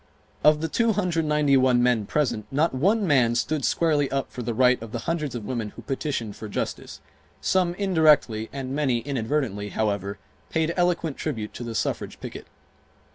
Of the 291 men present, not one man stood squarely up for the right of the hundreds of women who petitioned for justice. Some indirectly and many, inadvertently, however, paid eloquent tribute to the suffrage picket.